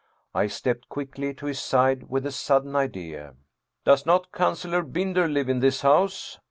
I stepped quickly to his side with a sudden idea. " Does not Councilor Binder live in this house?"